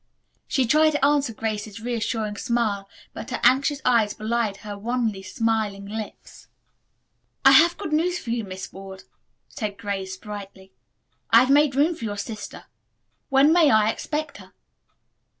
She tried to answer Grace's reassuring smile, but her anxious eyes belied her wanly smiling lips. "I have good news for you, Miss Ward," said Grace brightly. "I have made room for your sister. When may I expect her?"